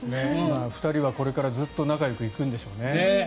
２人はこれからずっと仲よくいくんでしょうね。